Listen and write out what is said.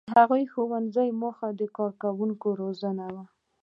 • د هغه ښوونځي موخه د کارکوونکو روزنه وه.